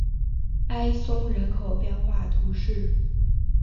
埃松人口变化图示